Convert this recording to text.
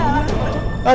kau mau ngapain